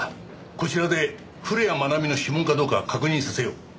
こちらで古谷愛美の指紋かどうか確認させよう。